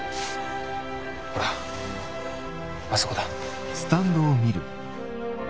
ほらあそこだ。